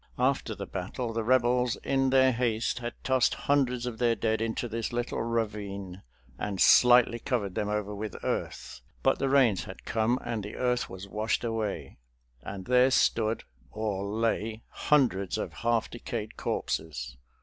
After the battle the Rebels in their haste had tossed hundreds of their dead into this little ravine and slightly covered them over with earth, but the rains had come, and the earth was washed away, and there stood or lay hundreds of half decayed corpses.